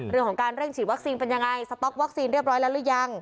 เรื่องของการเร่งฉีดวัคซีนเป็นยังไงสต๊อกวัคซีนเรียบร้อยแล้วหรือยัง